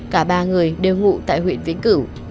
cả ba người đều ngụ tại huyện vĩnh cửu